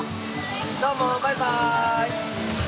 どうもバイバイ。